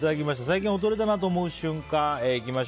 最近衰えたなぁと思う瞬間。